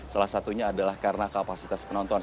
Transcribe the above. salah satunya adalah karena kapasitas penonton